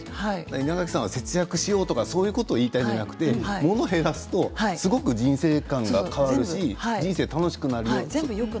稲垣さんは節約しようとかいうことを言いたいのではなくてものを減らすとすごく人生観が変わるし人生楽しくなるよと。